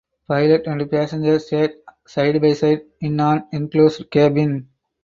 Pilot and passenger sat side by side in an enclosed cabin.